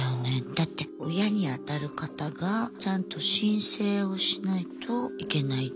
だって親に当たる方がちゃんと申請をしないといけないこと。